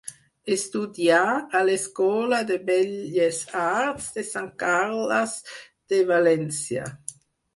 Estudià a l'Escola de Belles Arts de Sant Carles de València.